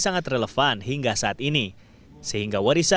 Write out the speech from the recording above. jepang jawa tengah